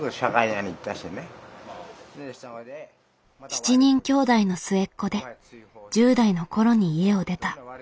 ７人きょうだいの末っ子で１０代の頃に家を出た。